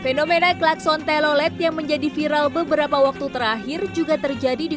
fenomena klakson telolet yang menjadi viral beberapa waktu terakhir juga terjadi di